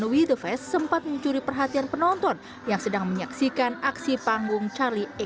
we the fest sempat mencuri perhatian penonton yang sedang menyaksikan aksi panggung charlie